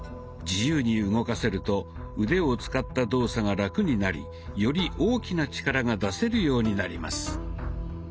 自由に動かせると腕を使った動作がラクになりより大きな力が出せるようになります。